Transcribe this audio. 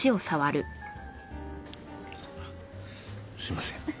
すいません。